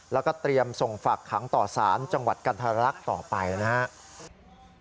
แล้วก็เตรียมส่งฝากขังต่อสารจังหวัดกันทรลักษณ์ต่อไปนะครับ